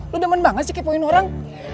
lu demen banget sih kepoin orang